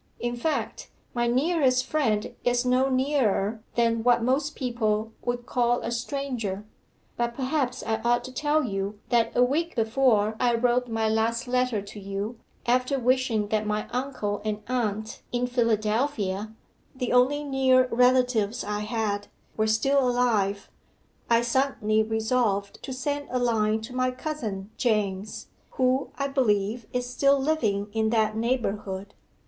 In fact, my nearest friend is no nearer than what most people would call a stranger. But perhaps I ought to tell you that a week before I wrote my last letter to you, after wishing that my uncle and aunt in Philadelphia (the only near relatives I had) were still alive, I suddenly resolved to send a line to my cousin James, who, I believe, is still living in that neighbourhood.